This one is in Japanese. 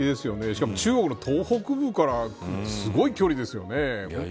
しかも、中国の東北部からすごい距離ですよね。